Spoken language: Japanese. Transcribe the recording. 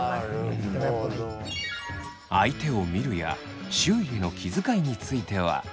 相手を見るや周囲への気遣いについては。